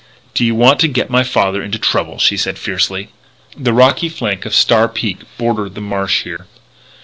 "Do you want to get my father into trouble!" she said fiercely. The rocky flank of Star Peak bordered the marsh here.